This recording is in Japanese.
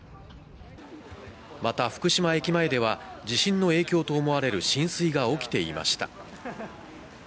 また福島駅前では地震の影響と思われる浸水が起きていました。